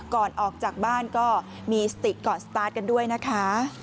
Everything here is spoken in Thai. ก่อนออกจากบ้านก็มีสติก่อนสตาร์ทกันด้วยนะคะ